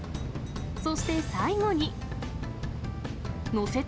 そして、最後に。